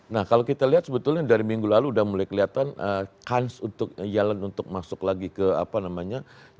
nah kalau kita lihat sebetulnya dari minggu lalu udah mulai kelihatan kans untuk yellen untuk masuk lagi ke apa namanya